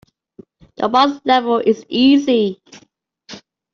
The boss level is easy.